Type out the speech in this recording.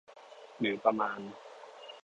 หรือประมาณ